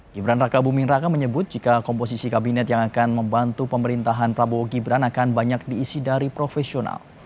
gibran raka buming raka menyebut jika komposisi kabinet yang akan membantu pemerintahan prabowo gibran akan banyak diisi dari profesional